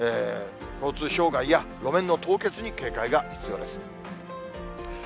交通障害や路面の凍結に警戒が必要です。